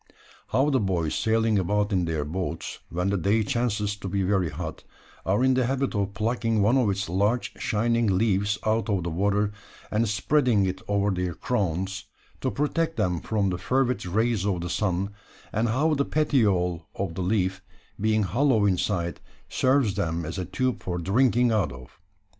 How the boys sailing about in their boats when the day chances to be very hot, are in the habit of plucking one of its large shining leaves out of the water, and spreading it over their crowns, to protect them from the fervid rays of the sun; and how the petiole of the leaf, being hollow inside, serves them as a tube for drinking out of.